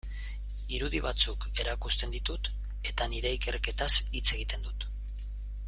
Irudi batzuk erakusten ditut eta nire ikerketaz hitz egiten dut.